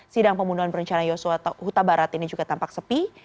sidang pembunuhan berencana yosua huta barat ini juga tampak sepi